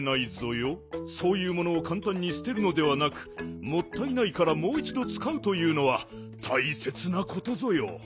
そういうものをかんたんにすてるのではなくもったいないからもういちどつかうというのはたいせつなことぞよ。